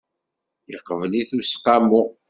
Iqbel-it useqqamu.